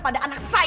aku ada kesini